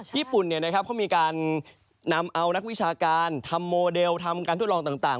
ญี่ปุ่นเขามีการนำเอานักวิชาการทำโมเดลทำการทดลองต่าง